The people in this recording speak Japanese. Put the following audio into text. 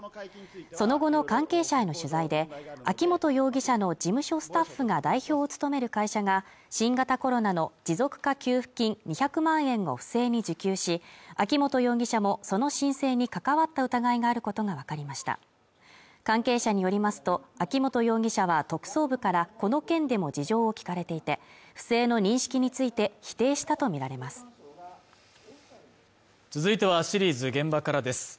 その後の関係者への取材で秋本容疑者の事務所スタッフが代表を務める会社が新型コロナの持続化給付金２００万円を不正に受給し秋本容疑者もその申請に関わった疑いがあることが分かりました関係者によりますと秋本容疑者は特捜部からこの件でも事情を聞かれていて不正の認識について否定したと見られます続いてはシリーズ「現場から」です